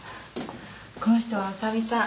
この人は浅見さん。